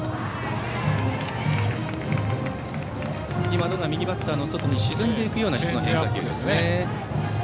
今のが右バッターの外に沈んでいくような変化球。